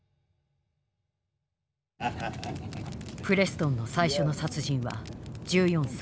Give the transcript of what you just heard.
プレストンの最初の殺人は１４歳。